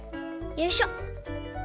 よいしょ！